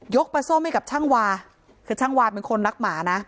ปลาส้มให้กับช่างวาคือช่างวาเป็นคนรักหมานะ